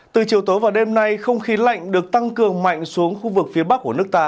từ chiều tối và đêm nay không khí lạnh được tăng cường mạnh xuống khu vực phía bắc của nước ta